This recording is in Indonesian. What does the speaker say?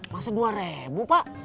masa dua ribu pak